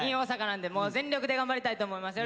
なんでもう全力で頑張りたいと思います。